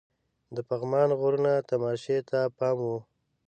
د پغمان غرونو تماشې ته پام وو.